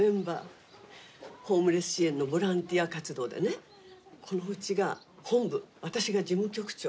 ホームレス支援のボランティア活動でねこの家が本部私が事務局長。